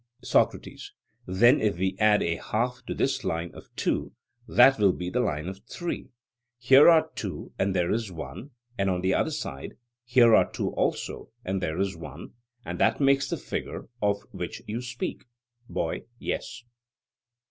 SOCRATES: Then if we add a half to this line of two, that will be the line of three. Here are two and there is one; and on the other side, here are two also and there is one: and that makes the figure of which you speak? BOY: Yes.